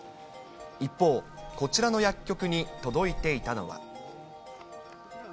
一方、こちらの薬局に届いていたのは。